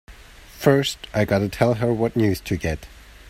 First I gotta tell her what news to get!